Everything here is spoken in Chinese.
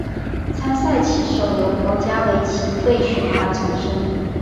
参赛棋手由国家围棋队选拔产生。